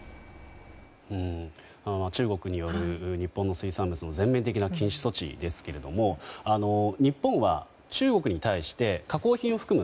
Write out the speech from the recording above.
中国による日本の水産物の全面的な禁止措置ですけれども日本は中国に対して加工品を含む